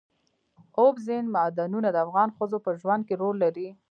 اوبزین معدنونه د افغان ښځو په ژوند کې رول لري.